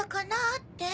って？